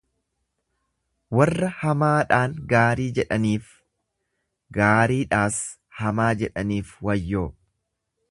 Warra hamaadhaan gaarii jedhaniif, gaariidhaas hamaa jedhaniif wayyoo!